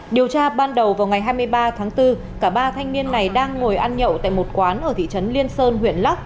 điều tra ban đầu vào ngày hai mươi ba tháng bốn cả ba thanh niên này đang ngồi ăn nhậu tại một quán ở thị trấn liên sơn huyện lắc